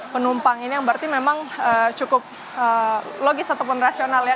tiga puluh tiga lima ratus dua puluh penumpang ini yang berarti memang cukup logis ataupun rasional ya